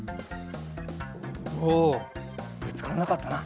おおぶつからなかったな。